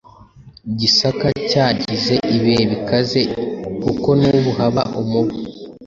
I Gisaka cyagize ibihe bikaze kuko n’ubu haba umubu